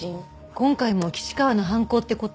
今回も岸川の犯行って事？